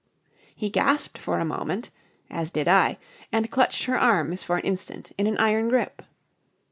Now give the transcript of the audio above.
He gasped for a moment (as did I) and clutched her arms for an instant in an iron grip.